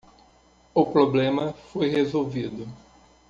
O problema foi resolvido.